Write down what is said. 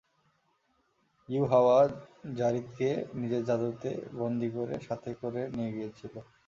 ইউহাওয়া যারীদকে নিজের জাদুতে বন্দি করে সাথে করে নিয়ে গিয়েছিল।